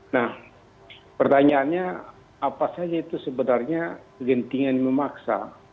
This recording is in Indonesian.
nah pertanyaannya apa saja itu sebenarnya kegentingan memaksa